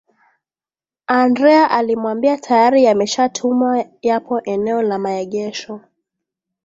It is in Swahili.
Andrea alimwambia tayari yameshatumwa yapo eneo la maegesho